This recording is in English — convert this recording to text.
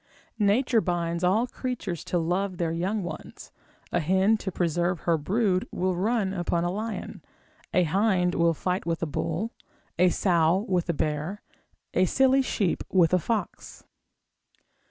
Nature binds all creatures to love their young ones; a hen to preserve her brood will run upon a lion, a hind will fight with a bull, a sow with a bear, a silly sheep with a fox.